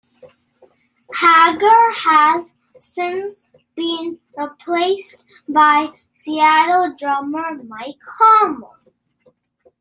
Hagar has since been replaced by Seattle drummer Mike Hommel.